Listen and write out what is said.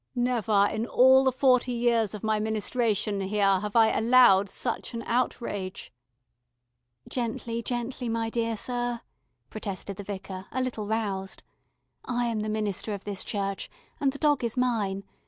"Never in all the forty years of my ministration here have I allowed such an outrage " "Gently, gently, my dear sir," protested the Vicar, a little roused. "I am the minister of this church, and the dog is mine.